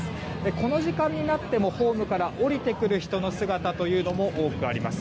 この時間になってもホームから降りてくる人の姿というのも多くあります。